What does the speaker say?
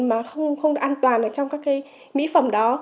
mà không an toàn trong các mỹ phẩm đó